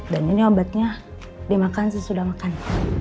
dan ini obatnya dimakan sesudah makan